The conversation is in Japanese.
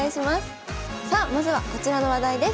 さあまずはこちらの話題です。